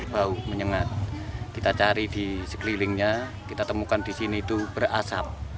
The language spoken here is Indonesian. bau menyengat kita cari di sekelilingnya kita temukan di sini itu berasap